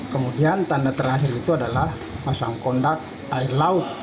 kemudian tanda terakhir itu adalah pasang kondak air laut